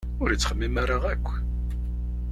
Ur ittxemmim ara akk!